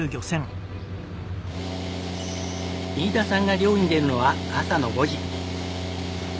飯田さんが漁に出るのは朝の５時。